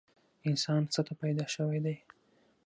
انسان څه ته پیدا شوی دی؟